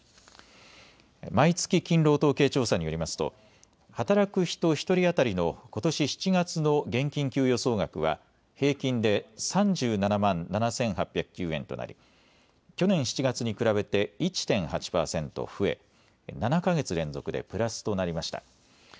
毎月勤労統計調査によりますと働く人１人当たりのことし７月の現金給与総額は平均で３７万７８０９円となり、去年７月に比べて１．８％増え７か月連続でプラスとなりました。